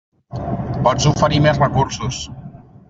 Pots oferir més recursos.